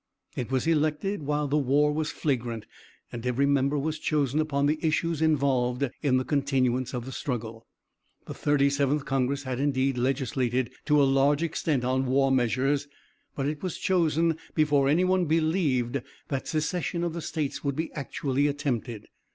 It was elected while the war was flagrant, and every member was chosen upon the issues involved in the continuance of the struggle. The Thirty seventh Congress had, indeed, legislated to a large extent on war measures, but it was chosen before any one believed that secession of the States would be actually attempted.